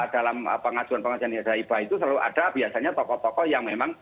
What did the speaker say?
dalam pengajuan pengajuan dana hibah itu selalu ada biasanya tokoh tokoh yang memang